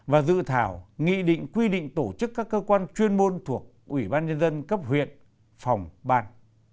và dự thảo nghị định quy định tổ chức các cơ quan chuyên môn thuộc ủy ban nhân dân cấp huyện phòng ban